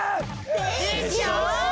でしょ？